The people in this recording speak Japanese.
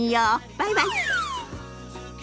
バイバイ。